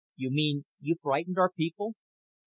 YOU MEAN YOU FRIGHTENED OUR PEOPLE A.